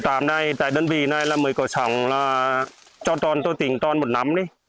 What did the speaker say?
tại tạm này tại đơn vị này là mới có sẵn là cho toàn tôi tỉnh toàn một năm đi